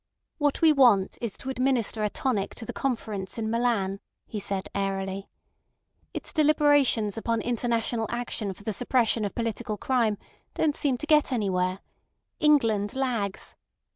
"What we want is to administer a tonic to the Conference in Milan," he said airily. "Its deliberations upon international action for the suppression of political crime don't seem to get anywhere. England lags.